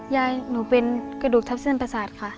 ยายหนูเป็นกระดูกทับเส้นประสาทค่ะ